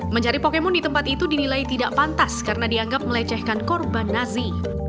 mencari pokemon di tempat itu dinilai tidak pantas karena dianggap melecehkan korban nazi